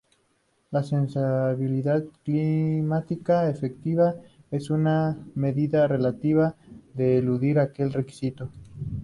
La sensibilidad climática efectiva es una medida relativa de eludir aquel requisito.